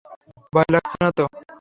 ভয় লাগছে নাতো?